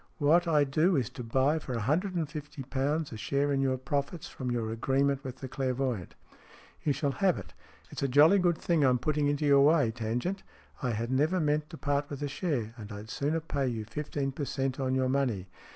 What I do is to buy for a hundred and fifty pounds a share in your profits from your agreement with the clairvoyant." "You shall have it. It's a jolly good thing I'm putting into your way, Tangent. I had never meant to part with a share, and I'd sooner pay you fifteen per cent, on your money.